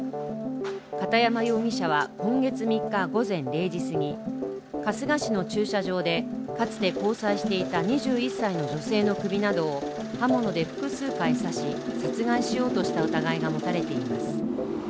片山容疑者は今月３日午前０時すぎ、春日市の駐車場で、かつて交際していた２１歳の女性の首などを刃物で複数回刺し、殺害しようとした疑いが持たれています。